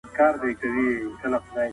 کمپيوټر کمينټونه څاري.